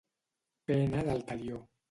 Pena del talió.